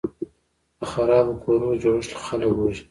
د خرابو کورو جوړښت خلک وژني.